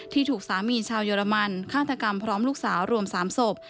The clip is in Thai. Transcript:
ถูกสามีชาวเยอรมันฆาตกรรมพร้อมลูกสาวรวม๓ศพ